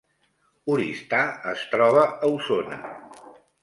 Oristà es troba a Osona